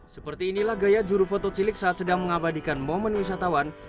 seperti inilah gaya juru foto cilik saat sedang mengabadikan momen wisatawan